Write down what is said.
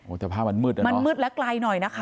แต่ภาพมันมืดนะมันมืดและไกลหน่อยนะคะ